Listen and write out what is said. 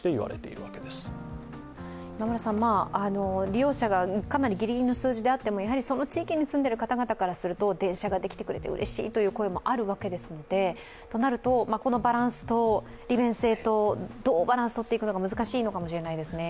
利用者がかなりギリギリの数字であってもやはりその地域に住んでる方々からすると電車ができてくれてうれしいという声もあるわけですのでとなると、このバランスと利便性とどうバランスをとるか、難しいのかもしれないですね。